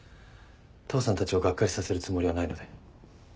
父さんたちをがっかりさせるつもりはないので。